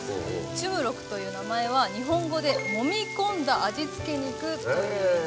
チュムロクという名前は日本語で「揉み込んだ味付け肉」という意味。